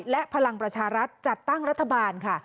และพลังประชารัฐจัดตั้งรัฐบาลค่ะ